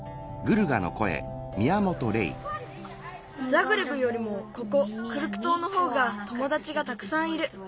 ザグレブよりもここクルク島のほうがともだちがたくさんいる。